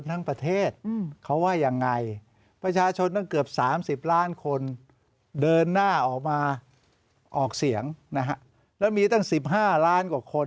อ่าคุณจะมองย้อนได้ไหมว่า